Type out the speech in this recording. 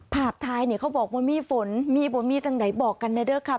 ภาพท้ายเนี่ยเขาบอกว่ามีฝนมีบ่มีจังไหนบอกกันนะเด้อค่ะ